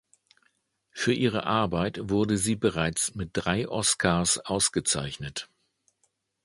Für ihre Arbeit wurde sie bereits mit drei Oscars ausgezeichnet.